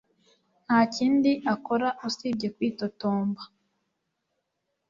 Nta kindi akora usibye kwitotomba